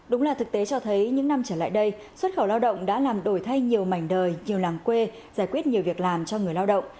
đúng là thực tế cho thấy những năm trở lại đây xuất khẩu lao động đã làm đổi thay nhiều mảnh đời nhiều làng quê giải quyết nhiều việc làm cho người lao động